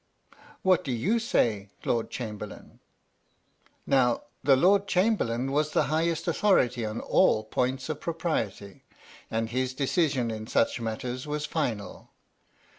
" What do you say, Lord Chamberlain ?" Now the Lord Chamberlain was the highest authority on all points of propriety, and his decision in such matters was final.